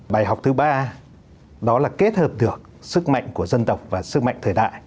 bài học thứ ba đó là kết hợp được sức mạnh của dân tộc và sức mạnh thời đại